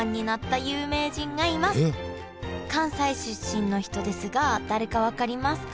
関西出身の人ですが誰か分かりますか？